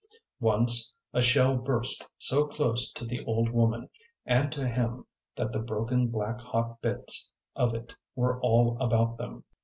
Once a shell burst so dose to the old woman and to him that the broken black hot bits of it were all about them.